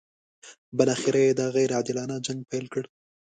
بالاخره یې دا غیر عادلانه جنګ پیل کړ.